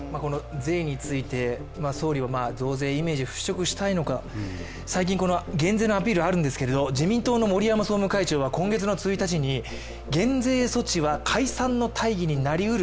税について、総理は増税イメージを払拭したいのか、最近、減税のアピールがあるんですけれども自民党の森山総務会長は今月の１日に、減税措置は解散の大義になりえる